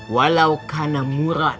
walau kana murad